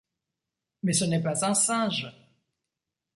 Mais ce n’est pas un singe !